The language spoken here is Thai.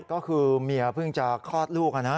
ก็คือเมียเพิ่งจะคลอดลูกนะ